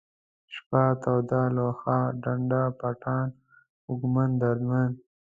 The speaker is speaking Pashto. شپه ، توده ، لوحه ، ډنډ پټان ، خوږمن ، دردمن